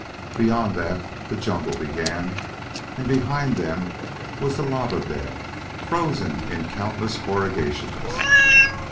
Beyond that the jungle began, but behind them was the lava bed, frozen in countless corrugations.